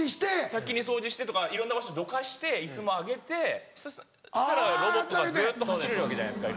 先に掃除してとかいろんな場所どかして椅子も上げてそしたらロボットがずっと走れるわけじゃないですか。